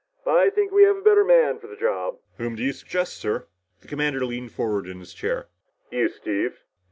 But I think we have a better man for the job." "Whom do you suggest, sir?" The commander leaned forward in his chair. "You, Steve."